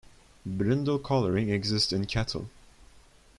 Brindle coloring exists in cattle.